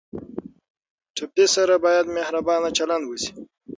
ټپي ته باید مهربانه چلند وشي.